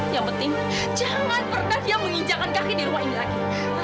yang penting jangan pernah dia menginjakkan kaki di rumah ini lagi